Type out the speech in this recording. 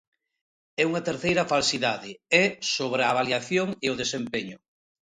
E unha terceira falsidade é sobre a avaliación e o desempeño.